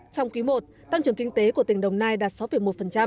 trong quý i tăng trưởng kinh tế của tỉnh đồng nai đạt sáu một